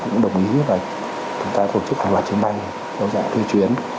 cũng đồng ý với vậy chúng ta tổ chức các loạt chuyến bay theo dạng thuê chuyến